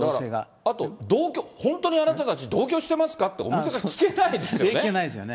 あと同居、本当にあなたたち同居してますかって、お店が聞け聞けないですよね。